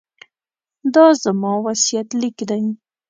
دا زما وصیت لیک دی.